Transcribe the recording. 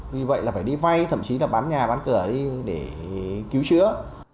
vì vậy là phải đi vay thậm chí là bán nhà bán cửa đi để cứu chữa